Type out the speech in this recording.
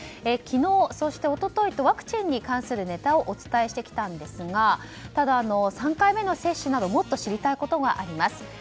昨日、そして一昨日とワクチンに関するネタをお伝えしてきたんですがただ、３回目の接種などもっと知りたいことがあります。